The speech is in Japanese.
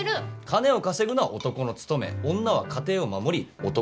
金を稼ぐのは男の務め女は家庭を守り男を支える。